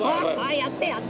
やってやって。